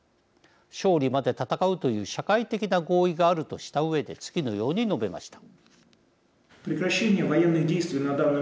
「勝利まで戦うという社会的な合意がある」とした上で次のように述べました。